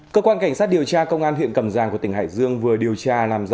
cơ quan cảnh sát điều tra công an huyện cầm giang của tỉnh hải dương vừa điều tra làm rõ